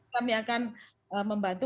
kami akan membantu